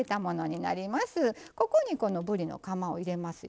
ここにぶりのカマを入れますよ。